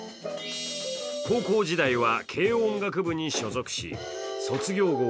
高校時代は軽音楽部に所属し卒業後